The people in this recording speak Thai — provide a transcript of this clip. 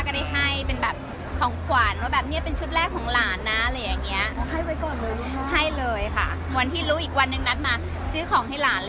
ก็นอนทุ่มนึงยังเงียบอย่างเนี้ย